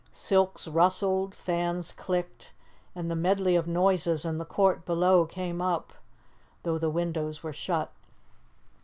Silks rustled, fans clicked, and the medley of noises in the court below came up, though the windows were shut.